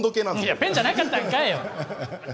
ペンじゃなかったんかよ。